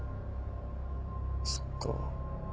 そっか。